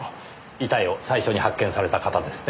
遺体を最初に発見された方ですね。